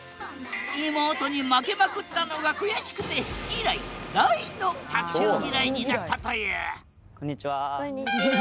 妹に負けまくったのが悔しくて以来大の卓球ぎらいになったというこんにちは。